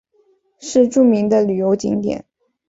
是著名的旅游景点。